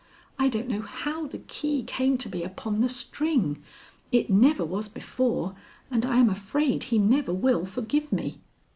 I don't know how the key came to be upon the string. It never was before, and I am afraid he never will forgive me."